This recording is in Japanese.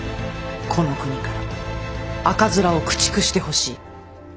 この国から赤面を駆逐してほしい。